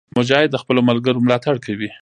مجاهد د خپلو ملګرو ملاتړ کوي.